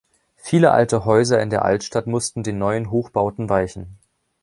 Viele alte Häuser in der Altstadt mussten den neuen Hochbauten weichen.